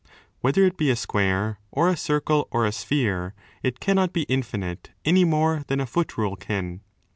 Whether it be a square or a circle or a sphere, it cannot be 20 infinite, any more than a foot rule can.